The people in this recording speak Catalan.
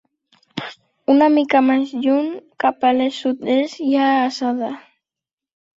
Una mica més lluny cap a l'est-sud-est hi ha Asada.